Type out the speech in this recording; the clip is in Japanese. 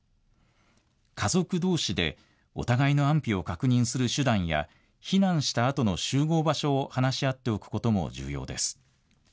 家族どうしでお互いの安否を確認する手段や避難したあとの集合場所を話し合っておくことも重要です。